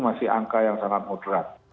masih angka yang sangat moderat